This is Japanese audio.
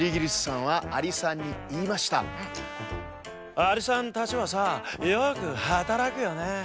「アリさんたちはさよくはたらくよね」。